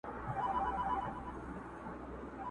تر څو به نوي جوړوو زاړه ښارونه سوځو؟.!